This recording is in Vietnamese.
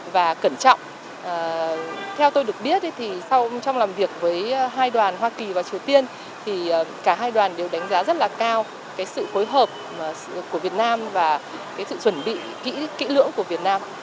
và cẩn trọng theo tôi được biết thì sau trong làm việc với hai đoàn hoa kỳ và triều tiên thì cả hai đoàn đều đánh giá rất là cao sự phối hợp của việt nam và sự chuẩn bị kỹ lưỡng của việt nam